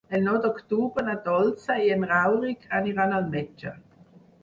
El nou d'octubre na Dolça i en Rauric aniran al metge.